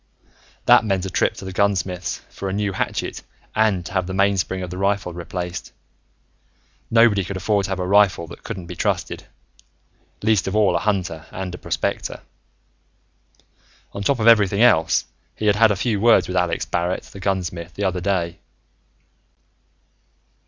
That meant a trip to the gunsmith's, for a new hatchet and to have the mainspring of the rifle replaced. Nobody could afford to have a rifle that couldn't be trusted, least of all a hunter and prospector. On top of everything else, he had had a few words with Alex Barrett, the gunsmith, the other day.